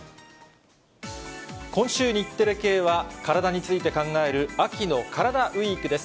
今週、日テレ系は体について考える、秋のカラダＷＥＥＫです。